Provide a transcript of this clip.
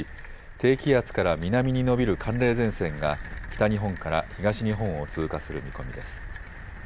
低気圧から南に延びる寒冷前線が北日本から東日本を通過する見込みです。